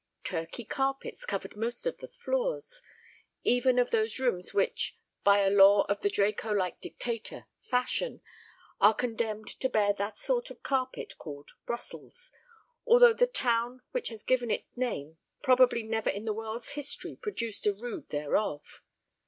Turkey carpets covered most of the floors, even of those rooms which, by a law of the Draco like dictator, Fashion, are condemned to bear that sort of carpet called Brussels, although the town which has given it name probably never in the world's history produced a rood thereof.